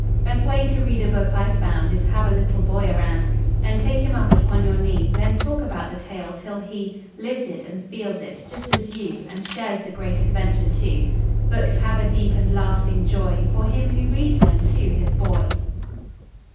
Best way to read a book I've found Is have a little boy around And take him up upon your knee; Then talk about the tale, till he Lives it and feels it, just as you, And shares the great adventure, too. Books have a deep and lasting joy For him who reads them to his boy.